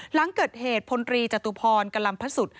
หลังเกิดเหตุพลตรีจตุพรกะลำพระสุทธิ